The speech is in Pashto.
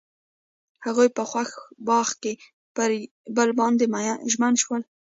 هغوی په خوښ باغ کې پر بل باندې ژمن شول.